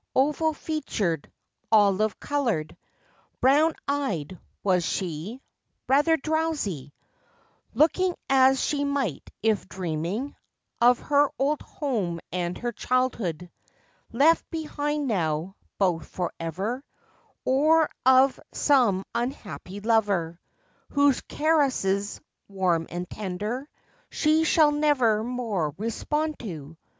Oval featured, olive colored, Brown eyed, was she; rather drowsy; Looking as she might if dreaming Of her old home and her childhood, Left behind now, both, forever; Or of some unhappy lover, Whose caresses, warm and tender, She shall never more respond to.